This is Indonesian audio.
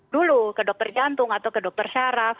dulu ke dokter jantung atau ke dokter syaraf